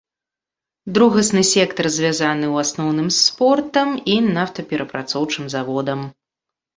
Другасны сектар звязаны ў асноўным з портам і нафтаперапрацоўчым заводам.